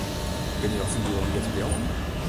Binne jo fan doel om hjir te bliuwen?